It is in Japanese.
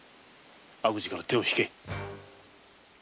悪事から手を引け！